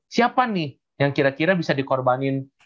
siapa nih yang kira kira bisa dikorbanin